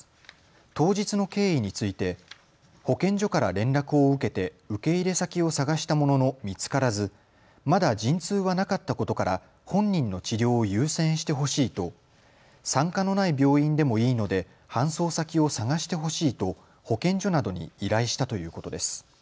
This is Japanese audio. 当日の経緯について保健所から連絡を受けて受け入れ先を探したものの見つからず、まだ陣痛はなかったことから本人の治療を優先してほしいと産科のない病院でもいいので搬送先を探してほしいと保健所などに依頼したということです。